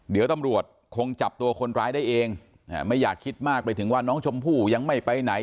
เดี๋ยวตำรวจคงจับตัวคนร้ายได้เองไม่อยากคิดมากไปถึงว่าน้องชมพู่ยังไม่ไปไหน